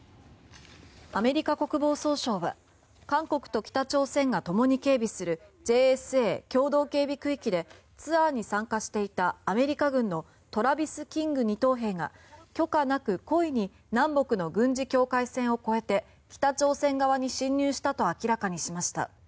アメリカ国防総省は韓国と北朝鮮がともに警備するＪＳＡ・共同警備区域でツアーに参加していたアメリカ軍のトラビス・キング２等兵が許可なく故意に南北の軍事境界線を越えて北朝鮮側に侵入したと明らかにしました。